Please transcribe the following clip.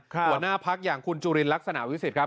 หัวหน้าพักอย่างคุณจุลินลักษณะวิสิทธิครับ